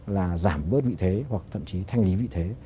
là giảm bớt vị thế hoặc thậm chí thanh lý vị thế